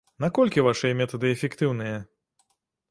Наколькі вашыя метады эфектыўныя?